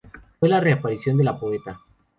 Fue la reaparición de la poeta.